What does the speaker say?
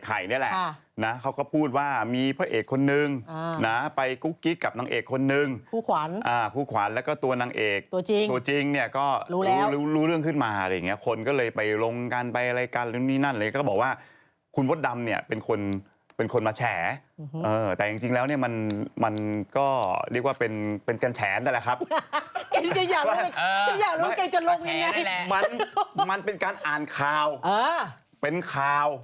ฮ่าฮ่าฮ่าฮ่าฮ่าฮ่าฮ่าฮ่าฮ่าฮ่าฮ่าฮ่าฮ่าฮ่าฮ่าฮ่าฮ่าฮ่าฮ่าฮ่าฮ่าฮ่าฮ่าฮ่าฮ่าฮ่าฮ่าฮ่าฮ่าฮ่าฮ่าฮ่าฮ่าฮ่าฮ่าฮ่าฮ่า